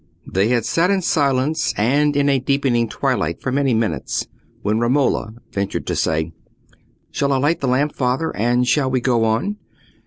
They had sat in silence, and in a deepening twilight for many minutes, when Romola ventured to say— "Shall I light the lamp, father, and shall we go on?"